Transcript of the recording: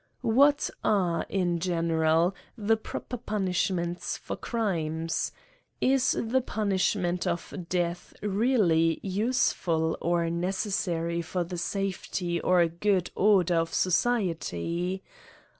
What are, in general, the proper punishments for crimes ? Is the punishment of death really use fid^ or necessary fo^ the safety or good order of society